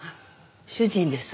主人です。